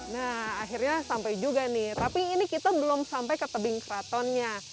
nah akhirnya sampai juga nih tapi ini kita belum sampai ke tebing keratonnya